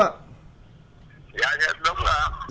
dạ đúng rồi ạ